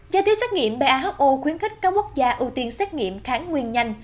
gia tiết xét nghiệm who khuyến khích các quốc gia ưu tiên xét nghiệm kháng nguyên nhanh